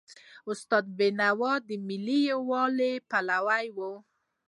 استاد بینوا د ملي یووالي پلوی و.